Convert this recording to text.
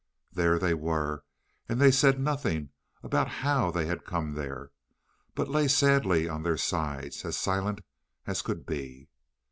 There they were, and they said nothing about how they had come there, but lay sadly on their sides, as silent as could be.